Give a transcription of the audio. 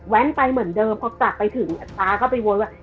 ไปเหมือนเดิมพอกลับไปถึงป๊าก็ไปโวยว่า